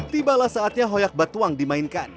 tibalah saatnya hoyak batuang dimainkan